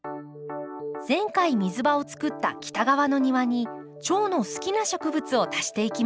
前回水場を作った北側の庭にチョウの好きな植物を足していきます。